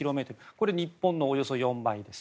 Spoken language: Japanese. これは日本のおよそ４倍です。